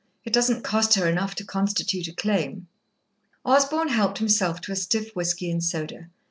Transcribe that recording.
It doesn't cost her enough to constitute a claim." Osborn helped himself to a stiff whiskey and soda.